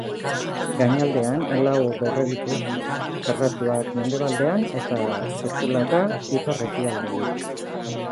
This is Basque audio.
Gainaldean lau dorre ditu, karratuak mendebaldean eta zirkularra ipar-ekialdean.